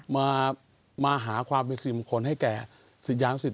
มาหาความเป็นสิริมงคลให้แก่ศิษยานุสิต